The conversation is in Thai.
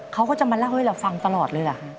เขาก็จะมาเล่าให้เราฟังตลอดเลยเหรอฮะ